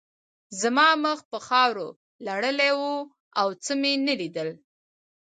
زما مخ په خاورو لړلی و او څه مې نه لیدل